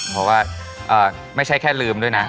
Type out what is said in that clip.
เพราะว่าไม่ใช่แค่ลืมด้วยนะ